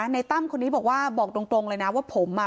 ตั้มคนนี้บอกว่าบอกตรงเลยนะว่าผมอ่ะ